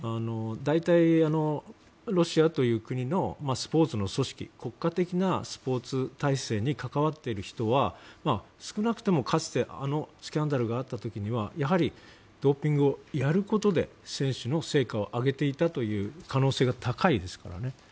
大体ロシアという国のスポーツの組織国家的なスポーツ体制に関わっている人少なくとも、かつてあのスキャンダルがあった時にはやはりドーピングをやることで選手の成果を上げていたという可能性が高いですからね。